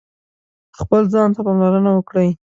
که خپل ځان ته پاملرنه وکړئ